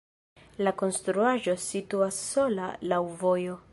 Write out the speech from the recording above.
La konstruaĵo situas sola laŭ vojo.